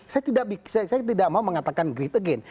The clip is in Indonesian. saya tidak mau mengatakan great again